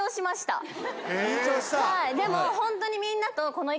でもホントに。